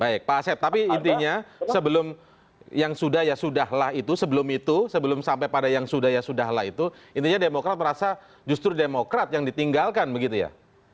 baik pak asep tapi intinya sebelum yang sudah ya sudah lah itu sebelum itu sebelum sampai pada yang sudah ya sudah lah itu intinya demokrat merasa justru demokrat yang ditinggalkan begitu ya